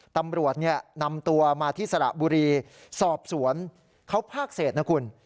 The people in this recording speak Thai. ตำรวจนำตัวมาที่สระบุรีสอบสวนเขาพากเศษนะคุณ